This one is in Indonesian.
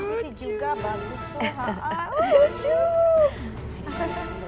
ini juga bagus tuh